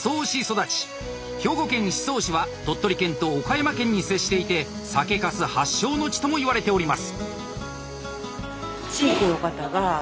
兵庫県宍粟市は鳥取県と岡山県に接していて酒かす発祥の地ともいわれております。